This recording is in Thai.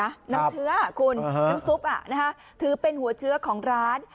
น้ำเชื้อคุณน้ำซุปถือเป็นหัวเชื้อของร้าน